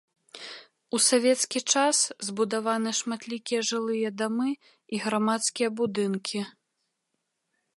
У савецкі час збудаваны шматлікія жылыя дамы і грамадскія будынкі.